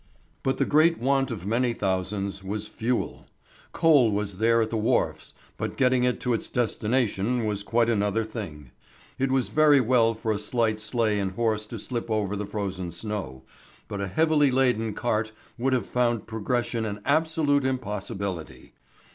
But the great want of many thousands was fuel. Coal was there at the wharfs, but getting it to its destination was quite another thing. It was very well for a light sleigh and horse to slip over the frozen snow, but a heavily laden cart would have found progression an absolute impossibility.